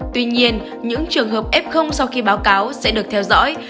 tuy nhiên những trường hợp f sau khi báo cáo sẽ được theo dõi